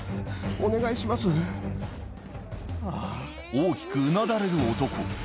大きくうなだれる男